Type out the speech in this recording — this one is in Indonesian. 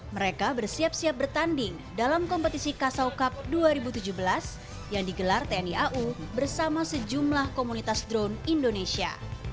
mereka bersiap siap bertanding dalam kompetisi kasau cup dua ribu tujuh belas yang digelar tni au bersama sejumlah komunitas drone indonesia